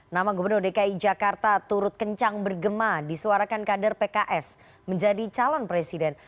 nama gubernur dki jakarta turut kencang bergema disuarakan kader pks menjadi calon presiden